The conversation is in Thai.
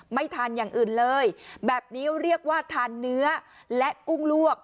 ไม่ทานอย่างอื่นเลยแบบนี้เรียกว่าทานเนื้อและกุ้งลวก